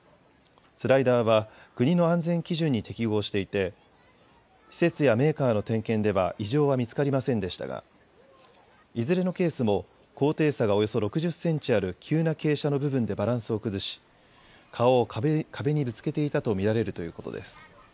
スライダーは、国の安全基準に適合していて施設やメーカーの点検では異常は見つかりませんでしたがいずれのケースも高低差がおよそ６０センチある急な傾斜の部分でバランスを崩し顔を壁にぶつけていたと見られるということです。